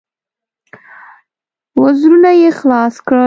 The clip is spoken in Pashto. وزرونه يې خلاص کړل.